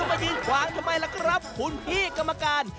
แม่ก็ไม่ที่หวังทำไมล่ะครับคุณพี่กรรมการ